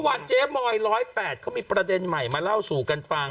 เจ๊มอย๑๐๘เขามีประเด็นใหม่มาเล่าสู่กันฟัง